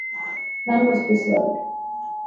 None was preserved.